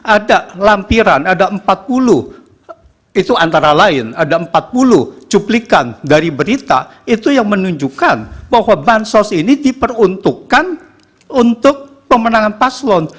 ada lampiran ada empat puluh itu antara lain ada empat puluh cuplikan dari berita itu yang menunjukkan bahwa bansos ini diperuntukkan untuk pemenangan paslon